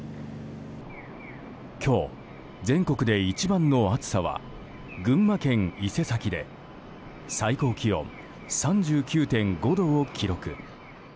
今日、全国で一番の暑さは群馬県伊勢崎で最高気温３９．５度を記録。